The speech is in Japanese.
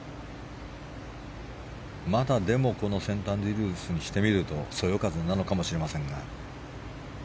まだこのセントアンドリュースにしてみるとそよ風なのかもしれませんが。